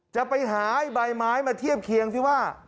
จะไปหาไอ้ใบไม้มาเทียบเคียงสิว่า